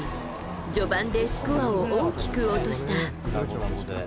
序盤でスコアを大きく落とした。